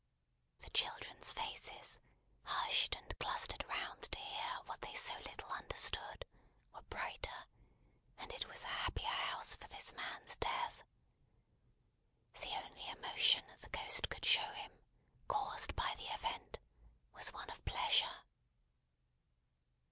The children's faces, hushed and clustered round to hear what they so little understood, were brighter; and it was a happier house for this man's death! The only emotion that the Ghost could show him, caused by the event, was one of pleasure.